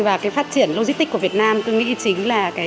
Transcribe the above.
và cái phát triển logistic của việt nam tôi nghĩ chính là